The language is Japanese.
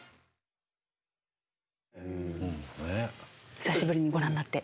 久しぶりにご覧になって。